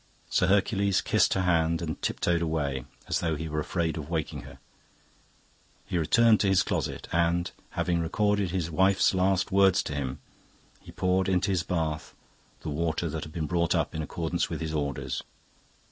Sir Hercules kissed her hand and tiptoed away, as though he were afraid of waking her. He returned to his closet, and having recorded his wife's last words to him, he poured into his bath the water that had been brought up in accordance with his orders.